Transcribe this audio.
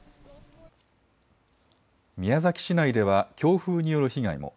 宮崎市内では強風による被害も。